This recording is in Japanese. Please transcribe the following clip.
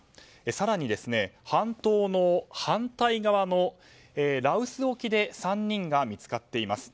更に、半島の反対側の羅臼沖で３人が見つかっています。